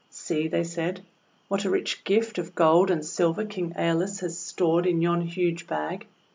"See," said they, 'what a rich gift of gold and silver King JSolus has stored in yon huge bag!